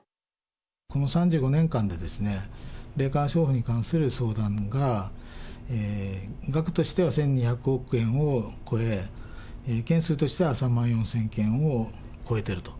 この３５年間でですね、霊感商法に関する相談が、額としては１２００億円を超え、件数としては３万４０００件を超えていると。